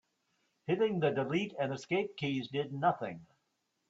Hitting the delete and escape keys did nothing.